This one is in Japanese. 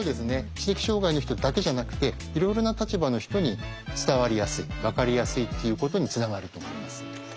知的障害の人だけじゃなくていろいろな立場の人に伝わりやすいわかりやすいっていうことにつながると思います。